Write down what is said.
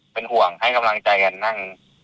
เป็นห่วงให้กำลังใจกันนั่ง